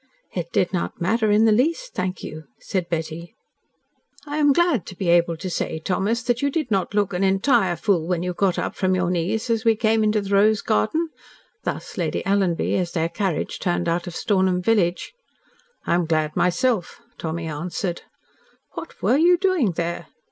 "It did not matter in the least, thank you," said Betty. ..... "I am glad to be able to say, Thomas, that you did not look an entire fool when you got up from your knees, as we came into the rose garden." Thus Lady Alanby, as their carriage turned out of Stornham village. "I'm glad myself," Tommy answered. "What were you doing there?